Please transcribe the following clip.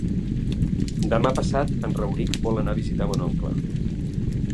Demà passat en Rauric vol anar a visitar mon oncle.